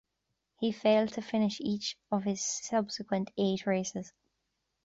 He failed to finish each of his subsequent eight races.